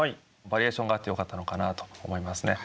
バリエーションがあってよかったのかなと思いますね。